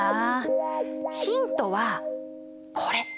ヒントはこれ！